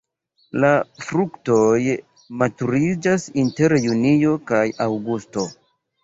La fruktoj maturiĝas inter junio kaj aŭgusto.